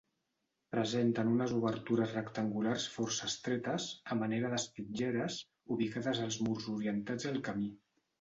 Presenten unes obertures rectangulars força estretes, a manera d'espitlleres, ubicades als murs orientats al camí.